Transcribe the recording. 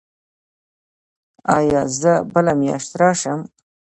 ایا زه بله میاشت راشم؟